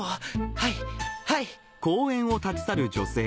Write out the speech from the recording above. はいはい！